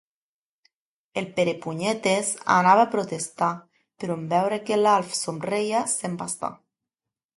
El Perepunyetes anava a protestar, però en veure que l'Alf somreia se'n va estar.